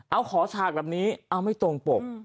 เอาขอฉากแบบนี้เอาไม่ตรงปก